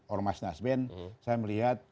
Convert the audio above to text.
ormas nasben saya melihat